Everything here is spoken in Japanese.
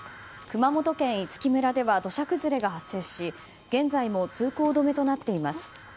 熊本県五木村では土砂崩れが発生し、現在も通行止めとなっています。